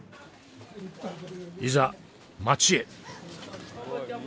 いざ街へ。